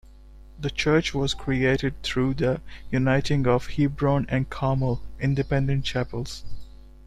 The church was created through the uniting of Hebron and Carmel Independent Chapels.